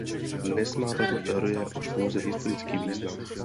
Dnes má tato teorie už pouze historický význam.